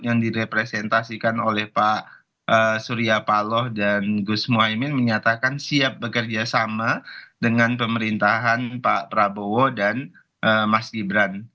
yang direpresentasikan oleh pak surya paloh dan gus mohaimin menyatakan siap bekerja sama dengan pemerintahan pak prabowo dan mas gibran